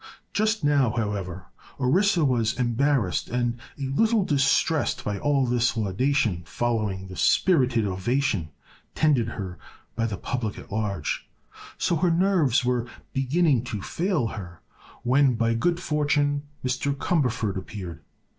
Just now, however, Orissa was embarrassed and a little distressed by all this laudation, following the spirited ovation tendered her by the public at large, so her nerves were beginning to fail her when by good fortune Mr. Cumberford appeared.